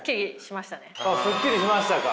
すっきりしましたか？